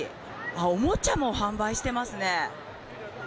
おもちゃも販売してますね。